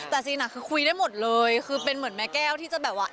แต่ซีนคือคุยได้หมดเลยคือเป็นเหมือนแม่แก้วที่จะแบบว่า